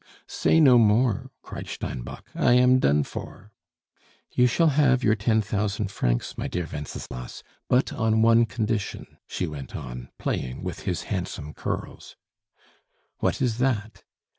"Say no more!" cried Steinbock; "I am done for!" "You shall have your ten thousand francs, my dear Wenceslas; but on one condition," she went on, playing with his handsome curls. "What is that?"